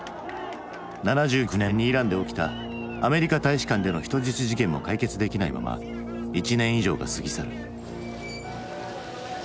７９年にイランで起きたアメリカ大使館での人質事件も解決できないまま１年以上が過ぎ去る。